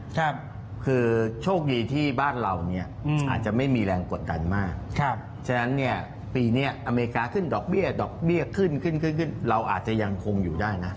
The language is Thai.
ดอกเบี้ยขึ้นขึ้นขึ้นขึ้นเราอาจจะยังคงอยู่ได้นะ